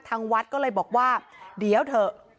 ทางวัดก็เลยบอกว่าเดี๋ยวเถอะ